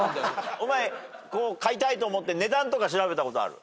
お前飼いたいと思って値段とか調べたことある？